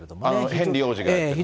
ヘンリー王子がやっているのが。